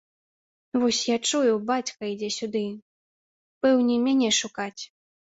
Вось, я чую, бацька ідзе сюды, пэўне мяне шукаць.